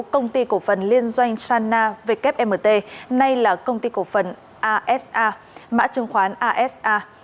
công ty cổ phần liên doanh shanna wmt nay là công ty cổ phần asa mã trường khoán asa